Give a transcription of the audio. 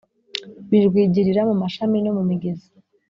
Bijwigirira mu mashami no mu migezi